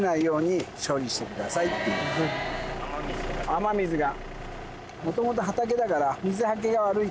雨水が。